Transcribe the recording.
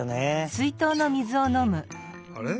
あれ？